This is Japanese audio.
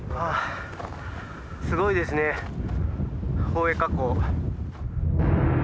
すごいですね宝永火口。